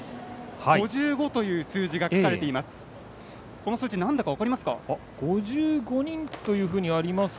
５５という数字が書かれています。